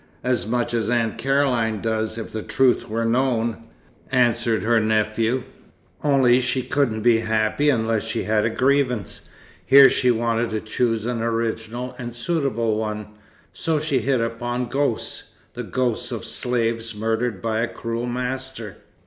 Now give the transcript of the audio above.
"As much as Aunt Caroline does, if the truth were known," answered her nephew. "Only she couldn't be happy unless she had a grievance. Here she wanted to choose an original and suitable one, so she hit upon ghosts the ghosts of slaves murdered by a cruel master."